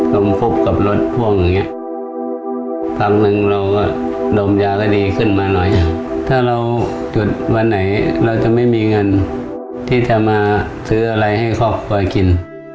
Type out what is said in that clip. ลงทุกครั้งนั้นเราก็ดมยาก็ดีขึ้นมาหน่อยถ้าเราจุดวันไหนเราจะไม่มีงานที่จะมาตืออะไรให้ครอบครอบครัว